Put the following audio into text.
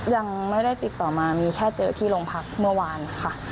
ยังไม่ได้ติดต่อมามีแค่เจอที่โรงพักเมื่อวานค่ะ